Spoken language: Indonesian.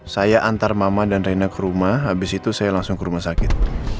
saya antar mama dan raina ke rumah habis itu saya langsung ke rumah sakit